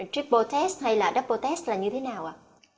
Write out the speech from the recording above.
triple test hay là double test là như thế nào ạ